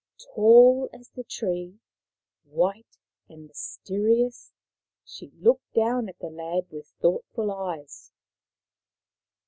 Tall as the tree, white and mysterious, she looked down at the lad with thoughtful eyes.